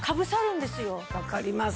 分かります。